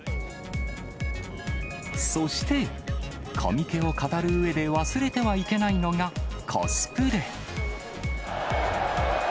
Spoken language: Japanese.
そして、コミケを語るうえで忘れてはいけないのがコスプレ。